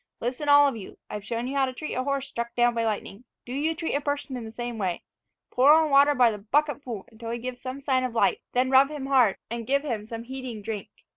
"Listen all of you. I have shown you how to treat a horse struck down by lightning. Do you treat a person in the same way. Pour on water by the bucket full, until he gives some signs of life; then rub him hard, and give him some heating drink.